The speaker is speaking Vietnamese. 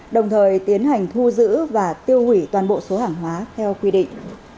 đồng thời tiến hành thu giữ và tiêu hủy toàn bộ số hàng hóa theo quy định